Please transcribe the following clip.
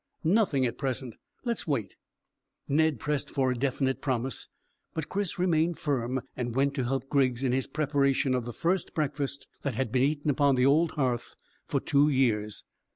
"Nothing at present; let's wait." Ned pressed for a definite promise, but Chris remained firm and went to help Griggs in his preparation of the first breakfast that had been eaten upon the old hearth for two years.